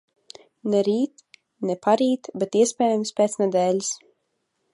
Ne rīt un ne parīt, bet, iespējams, pēc nedēļas.